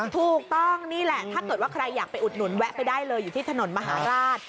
ถูกต้องนี่แหละถ้าเกิดว่าใครอยากไปอุดหนุนแวะไปได้เลยอยู่ที่ถนนมหาราช